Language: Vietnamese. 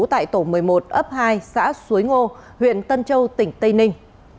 tại tổ một mươi một ấp hai xã suối ngô huyện tân châu tỉnh tây ninh